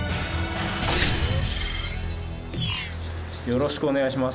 よろしくお願いします。